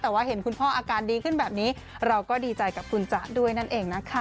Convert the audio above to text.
แต่ว่าเห็นคุณพ่ออาการดีขึ้นแบบนี้เราก็ดีใจกับคุณจ๊ะด้วยนั่นเองนะคะ